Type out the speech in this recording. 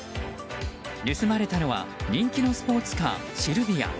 盗まれたのは人気のスポーツカー、シルビア。